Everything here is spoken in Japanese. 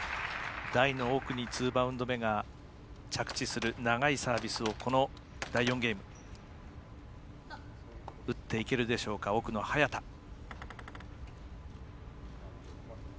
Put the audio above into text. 台の奥にツーバウンド目が着地する長いサービスをこの第４ゲーム打っていけるでしょうか、早田。